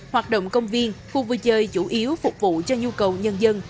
hoạt động công viên khu vui chơi chủ yếu phục vụ cho nhu cầu nhân dân